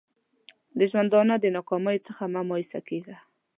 د ژوندانه د ناکامیو څخه مه مایوسه کېږه!